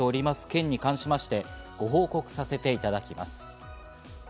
件に関しまして、ご報告させていただきます。